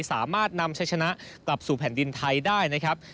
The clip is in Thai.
สามารถนำใช้ชนะกลับสู่แผ่นดินไทยได้นะครับ